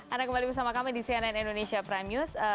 anda kembali bersama kami di cnn indonesia prime news